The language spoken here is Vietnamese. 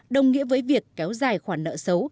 đồng nghĩa với việc kéo dài khoản nợ xấu